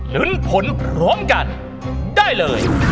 ลุ้นผลพร้อมกันได้เลย